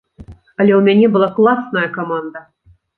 Але ў мяне была класная каманда.